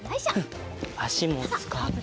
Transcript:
あしもつかって。